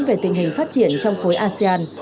về tình hình phát triển trong khối asean